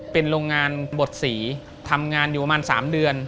เป็นโรงงานบดสีทำงานอยู่ประมาณ๓เดือน